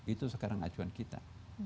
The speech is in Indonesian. itu sekarang acuan kita